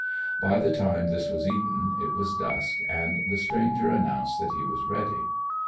By the time this was eaten it was dusk and the stranger announced that he was ready.